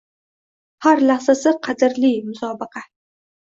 Har lahzasi qadrli musobaqa